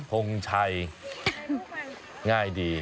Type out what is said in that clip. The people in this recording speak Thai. ทงชัยง่ายดี